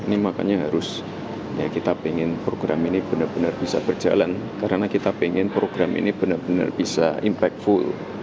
ini makanya harus ya kita ingin program ini benar benar bisa berjalan karena kita ingin program ini benar benar bisa impactful